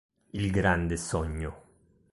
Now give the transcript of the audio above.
Il grande sogno